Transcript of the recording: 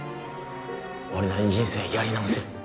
俺なりに人生やり直せる